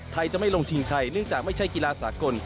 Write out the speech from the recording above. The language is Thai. จะไม่ลงชิงชัยเนื่องจากไม่ใช่กีฬาสากล